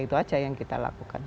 itu aja yang kita lakukan